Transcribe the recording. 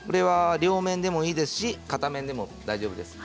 両面でもいいですし、片面でも大丈夫です。